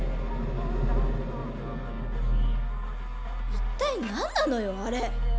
一体何なのよあれ！